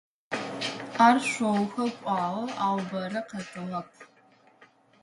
Ар шъоухьэ кӀуагъэ, ау бэрэ къэтыгъэп.